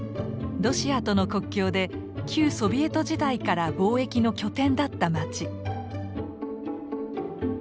ロシアとの国境で旧ソビエト時代から貿易の拠点だった街。